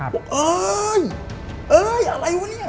พูดเอ๋ยอะไรวะนี้